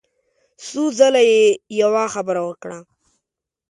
څو ځله يې يوه خبره وکړه.